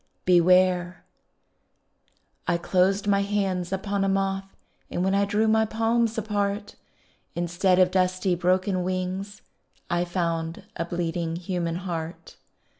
BEWARE I closed my hands upon a moth And when I drew my palms apart, Instead of dusty, broken wings I found a bleeding human heart.